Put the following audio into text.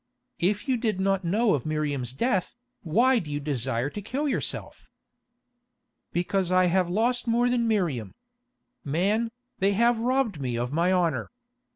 "If you did not know of Miriam's death, why do you desire to kill yourself?" "Because I have lost more than Miriam. Man, they have robbed me of my honour.